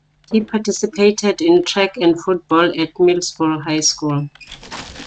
He participated in track and football at Middlesboro High School.